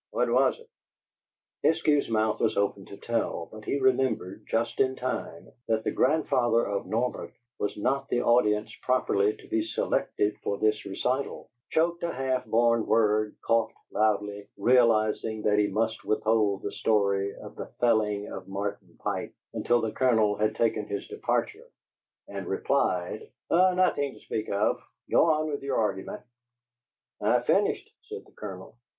"What was it?" Eskew's mouth was open to tell, but he remembered, just in time, that the grandfather of Norbert was not the audience properly to be selected for this recital, choked a half born word, coughed loudly, realizing that he must withhold the story of the felling of Martin Pike until the Colonel had taken his departure, and replied: "Nothin' to speak of. Go on with your argument." "I've finished," said the Colonel.